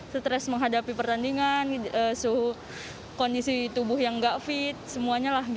stres menghadapi pertandingan kondisi tubuh yang tidak fit semuanya